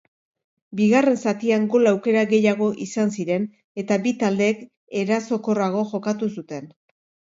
Bigarren zatian gol aukera gehiago izan ziren eta bi taldeek erasokorrago jokatu zuten.